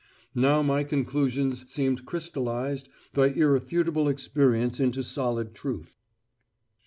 Now my conclusions seemed crystallised by irrefutable experience into solid truth.